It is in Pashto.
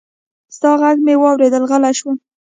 ستا غږ مې واورېد، غلی شوم